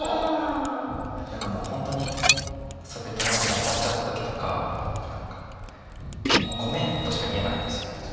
何か本当にそうやって友達に当たっちゃった時とか「ごめん」としか言えないんですよね。